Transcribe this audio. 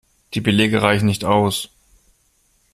Die Belege reichen nicht aus.